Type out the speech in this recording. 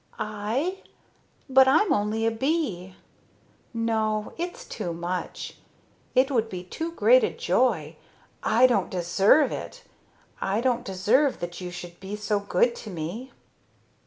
"I? But I'm only a bee. No, it's too much. It would be too great a joy. I don't deserve it, I don't deserve that you should be so good to me."